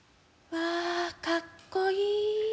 「わあかっこいい。